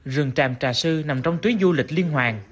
rừng tràm trà sư nằm trong tuyến du lịch liên hoàng